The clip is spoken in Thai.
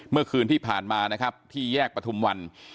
เมื่อคืนที่ผ่านมานะครับที่แยกประทุมวัน